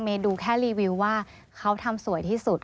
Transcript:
ดูแค่รีวิวว่าเขาทำสวยที่สุด